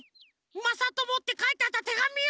まさとも」ってかいてあったてがみを！